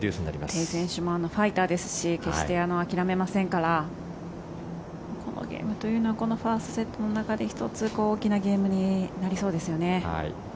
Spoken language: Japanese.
テイ選手もファイターですし決して諦めませんからこのゲームというのはこのファーストセットの中で１つ、大きなゲームになりそうですよね。